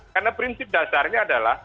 karena prinsip dasarnya adalah